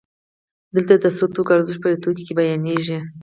دلته د څو توکو ارزښت په یو توکي کې بیانېږي